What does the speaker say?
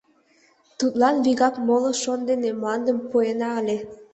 Тудлан вигак моло шот дене мландым пуэна ыле.